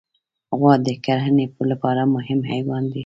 غوا د کرهڼې لپاره مهم حیوان دی.